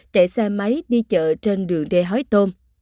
chạy xe máy đi chợ trên đường ghe hói tôm